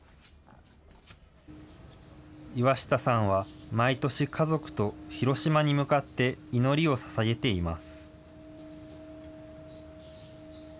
岩下さんは毎年、家族と広島に向かって、祈りをささげています。